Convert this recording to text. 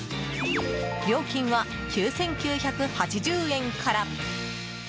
料金は９９８０円から。